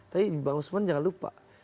tapi bang usman jangan lupa